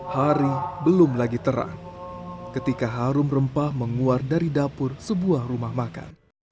hari belum lagi terang ketika harum rempah menguar dari dapur sebuah rumah makan